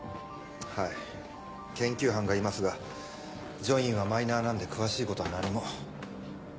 はい研究班がいますが『ジョイン』はマイナーなんで詳しいことは何も。